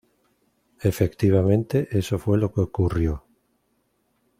Efectivamente eso fue lo que ocurrió.